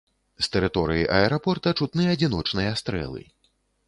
З тэрыторыі аэрапорта чутны адзіночныя стрэлы.